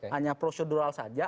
hanya prosedural saja